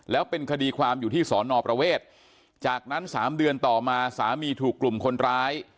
แล้วเป็นคดีความอยู่ที่สอนอประเวทจากนั้น๓เดือนต่อมาสามีถูกกลุ่มคนร้าย